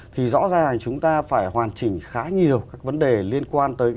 thì rõ ràng chúng ta phải hoàn chỉnh khá nhiều các vấn đề liên quan tới